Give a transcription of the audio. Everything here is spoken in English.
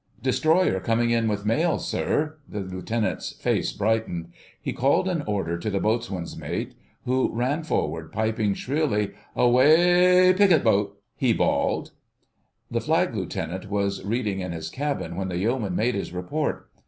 "Destroyer coming in with mails, sir." The Lieutenant's face brightened; he called an order to the Boatswain's Mate, who ran forward piping shrilly. "A wa a ay picket boat!" he bawled. The Flag Lieutenant was reading in his cabin when the Yeoman made his report.